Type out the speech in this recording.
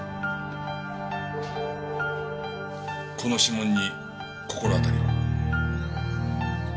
この指紋に心当たりは？